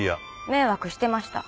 迷惑してました。